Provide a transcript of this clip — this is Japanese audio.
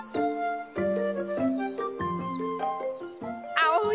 あおい